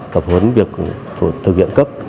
tập huấn việc thực hiện cấp